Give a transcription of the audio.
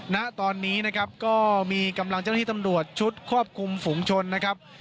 ณตอนนี้นะครับก็มีกำลังเจ้าหน้าที่ตำรวจชุดควบคุมฝุงชนนะครับ